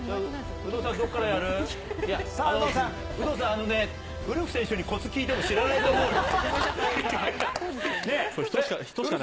有働さん、有働さん、あのね、ウルフ選手にこつ聞いても知らないと思うよ。